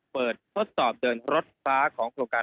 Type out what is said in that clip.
เปิดทดสอบเดินรถรถฟ้าของศึการ